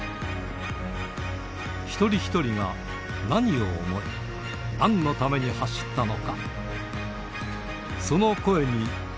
一人一人が何を思い、なんのために走ったのか。